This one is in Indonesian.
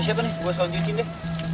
siapa nih gue sekolah cuciin deh